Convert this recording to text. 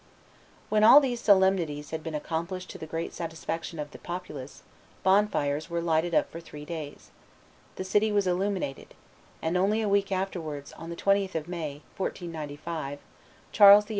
When all these solemnities had been accomplished to the great satisfaction of the populace, bonfires were lighted up for three days; the city was illuminated; and only a week afterwards, on the 20th of May, 1495, Charles VIII.